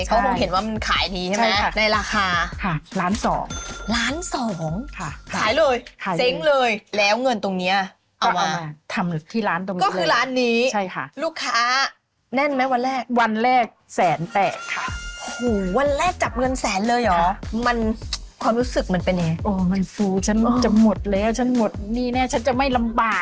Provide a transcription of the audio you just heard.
เขาคงเห็นว่ามันขายนี้ใช่ไหมในราคา